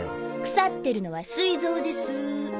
腐ってるのは膵臓ですぅ。